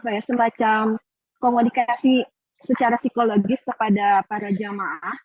apa ya semacam komunikasi secara psikologis kepada para jemaah